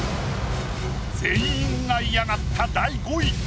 全員が嫌がった第５位。